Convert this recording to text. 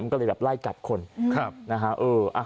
ก็เลยแบบไล่กัดคนนะฮะ